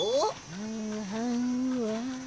はんはんわ。